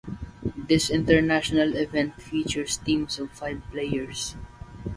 This international event features teams of five players.